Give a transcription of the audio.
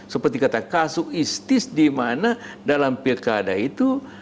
seperti kata kasuk istis di mana dalam pilkada itu